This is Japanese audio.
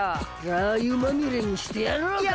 ラー油まみれにしてやろうか。